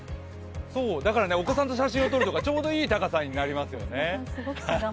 だから、お子さんと写真を撮るとちょうどいい高さになりますよね。